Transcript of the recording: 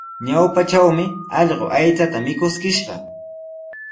Ñawpatrawmi allqu aychata mikuskishqa.